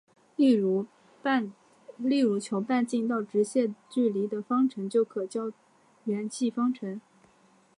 例如求半径到直线距离的方程就可以叫圆系方程。